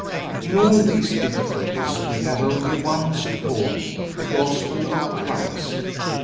In all these difficulties we have only one support, the Gospel of Christ.